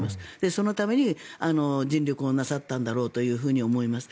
そのために尽力なさったんだろうと思います。